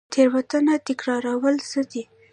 تیروتنه تکرارول څه دي؟